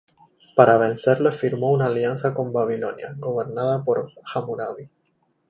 Para vencerle firmó una alianza con Babilonia, gobernada por Hammurabi.